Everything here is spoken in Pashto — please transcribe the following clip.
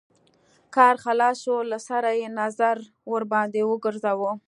کار خلاص شو له سره يې نظر ورباندې وګرځوه.